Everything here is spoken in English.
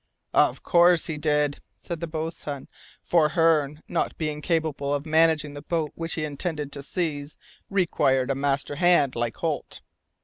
"Of course he did," said the boatswain, "for Hearne, not being capable of managing the boat which he intended to seize, required a master hand like Holt."